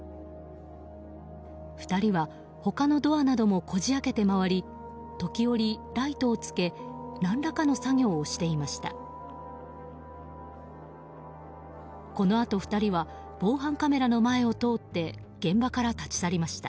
２人は他のドアなどもこじ開けて回り時折、ライトをつけ何らかの作業をしていました。